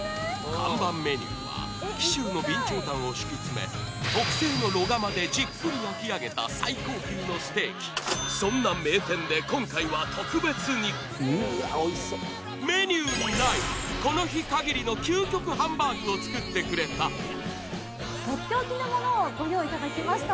看板メニューは紀州の備長炭を敷き詰め特製の炉釜でじっくり焼き上げたそんな名店で今回は特別にメニューにないを作ってくれたとっておきのものをご用意いただきました。